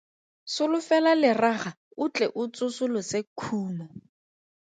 Solofela leraga o tle o tsosolose khumo.